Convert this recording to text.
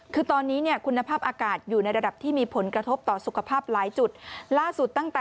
คือตอนนี้คุณภาพอากาศอยู่ในระดับที่มีผลกระทบต่อสุขภาพหลายจุด